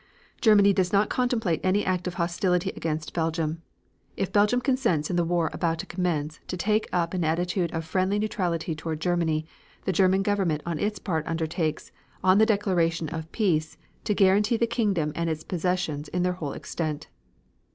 Germany does not contemplate any act of hostility against Belgium. If Belgium consents in the war about to commence to take up an attitude of friendly neutrality toward Germany, the German Government on its part undertakes, on the declaration of peace, to guarantee the kingdom and its possessions in their whole extent.